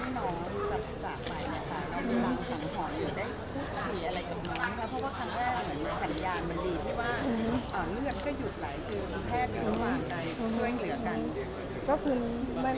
สวัสดีคุณครับ